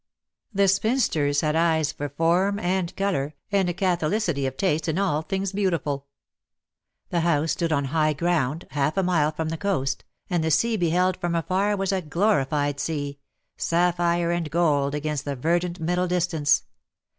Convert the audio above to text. The spinsters had eyes for form and colour, and a catholicity of taste in all things beautiful. The house stood on high ground, half a mile from the coast, and the sea beheld from afar was a glorified sea, sapphire and gold against the ver :dant middle distance.